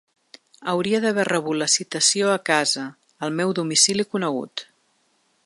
Hauria d’haver rebut la citació a casa, al meu domicili conegut.